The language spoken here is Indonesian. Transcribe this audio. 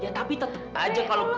ya tapi tetep aja kalau nggak